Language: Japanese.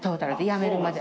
辞めるまで。